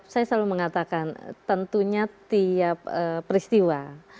saya selalu mengatakan tentunya tiap peristiwa